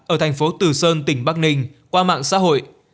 ở thành phố tử sơn tỉnh bắc ninh qua mạng xã hội